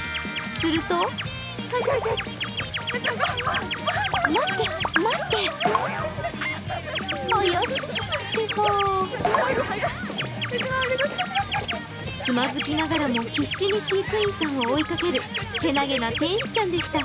するとつまずきながらも、必死に飼育員さんを追いかけるけなげな天使ちゃんでした。